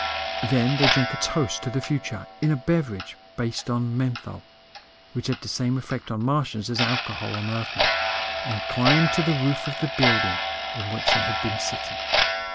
Then they drank a toast to the future in a beverage based on menthol, which had the same effect on Martians as alcohol on Earthmen and climbed to the roof of the building in which they had been sitting.